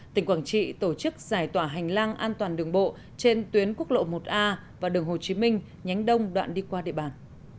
tỉnh quảng trị tổ chức giải tỏa hành lang an toàn đường bộ trên tuyến quốc lộ một a và đường hồ chí minh nhánh đông đoạn đi qua địa bàn